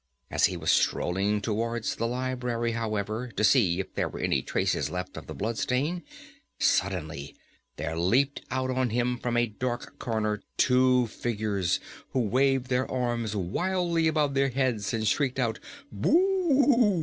As he was strolling towards the library, however, to see if there were any traces left of the blood stain, suddenly there leaped out on him from a dark corner two figures, who waved their arms wildly above their heads, and shrieked out "BOO!"